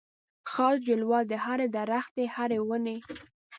خاص جلوه د هري درختي هري وني